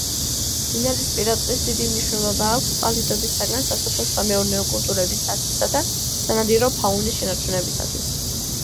მდინარისპირა ტყის დიდი მნიშვნელობა აქვს წყალდიდობისაგან სასოფლო-სამეურნეო კულტურების დაცვისა და სანადირო ფაუნის შენარჩუნებისათვის.